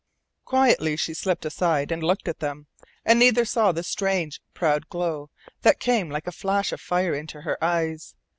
Quietly she slipped aside and looked at them, and neither saw the strange, proud glow that came like a flash of fire into her eyes.